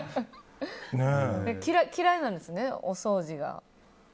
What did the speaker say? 嫌いなんですね、お掃除が。